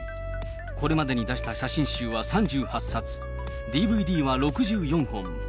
これまでに出した写真集は３８冊、ＤＶＤは６４本。